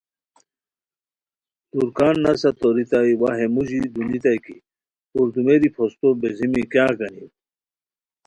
ترکان نسہ توریتائے وا ہے موژی دونیتائے کی پردومیری پھوستو بیزیمی کیاغ گانیم